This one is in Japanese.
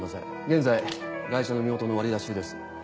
現在ガイ者の身元の割り出し中です。